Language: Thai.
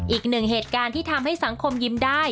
อีกหนึ่งเหตุการณ์ที่ทำให้สังคมยิ้มได้